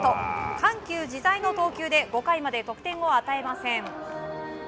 緩急自在の投球で５回まで得点を与えません。